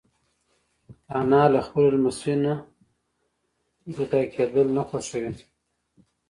انا له خپلو لمسیو نه جدا کېدل نه خوښوي